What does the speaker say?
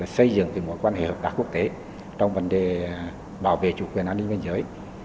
xây dựng mối quan hệ hợp tác quốc tế trong vấn đề bảo vệ chủ quyền an ninh biên giới